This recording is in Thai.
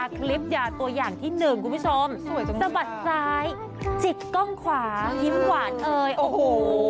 คลิปด่าตัวอย่างที่หนึ่งคุณผู้ชมสะบัดซ้ายจิกกล้องขวายิ้มหวานเอ่ยโอ้โห